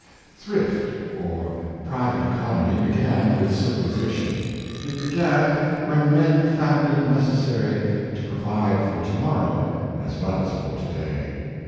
HRIFT or private economy began with civili zation. It began when men found it necessary to provide for to morrow as well as for to day.